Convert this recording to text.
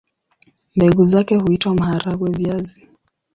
Mbegu zake huitwa maharagwe-viazi.